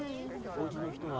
おうちの人は？